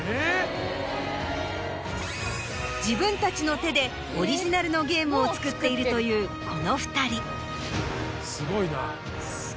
自分たちの手でオリジナルのゲームを作っているというこの２人。